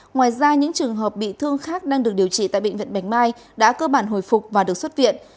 ngoài ra những trường hợp bị thương khác đang được điều trị tại bệnh viện bạch mai đã cơ bản hồi phục và được xuất viện